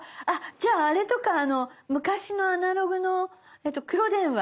じゃああれとか昔のアナログの黒電話。